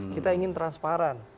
kita ingin transparan